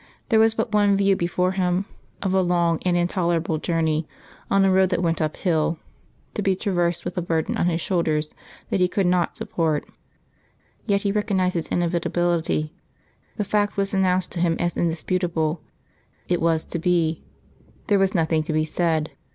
There was but one view before him of a long and intolerable journey, on a road that went uphill, to be traversed with a burden on his shoulders that he could not support. Yet he recognised its inevitability. The fact was announced to him as indisputable; it was to be; there was nothing to be said.